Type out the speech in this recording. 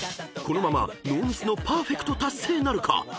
［このままノーミスのパーフェクト達成なるか⁉］